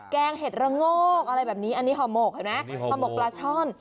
แกงเห็ดระโงกอะไรแบบนี้อันนี้ห่อหมกเห็นไหมห่อหมกปลาช่อน